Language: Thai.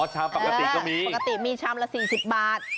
อ๋อช้ำปกติก็มีปกติมีช้ำละ๔๐บาท